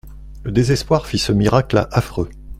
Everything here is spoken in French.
Le désespoir fit ce miracle affreux.